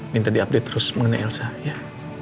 minta diupdate terus mengenai elsa ya